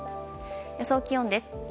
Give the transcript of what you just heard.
予想気温です。